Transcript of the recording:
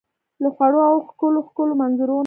له خوړو او ښکلو ، ښکلو منظرو نه